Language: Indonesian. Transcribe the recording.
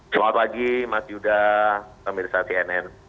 selamat pagi mas yuda pemirsa cnn